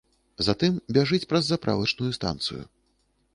Затым бяжыць праз заправачную станцыю.